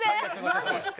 マジっすか！